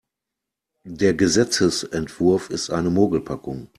Der Gesetzesentwurf ist eine Mogelpackung.